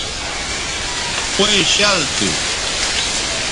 پئیں شَل تھو